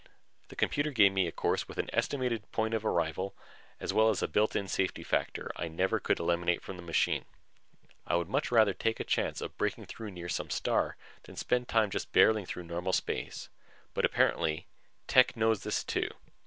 The computer gave me a course with an estimated point of arrival as well as a built in safety factor I never could eliminate from the machine. I would much rather take a chance of breaking through near some star than spend time just barreling through normal space, but apparently Tech knows this, too.